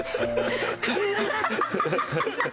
ハハハハ！